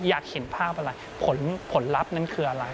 อยากเห็นภาพอะไรผลลัพธ์นั้นคืออะไร